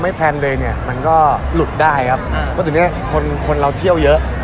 ไม่แพลนเลยเนี่ยมันก็หลุดได้ครับเพราะว่าตอนนี้คนเราเที่ยวเยอะ